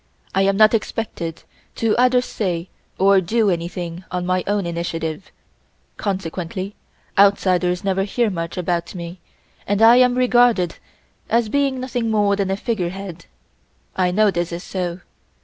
I am not expected to either say or do anything on my own initiative, consequently outsiders never hear much about me and I am regarded as being nothing more than a figure head. I know this is so.